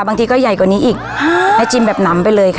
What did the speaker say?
บางทีก็ใหญ่กว่านี้อีกให้ชิมแบบหนำไปเลยค่ะ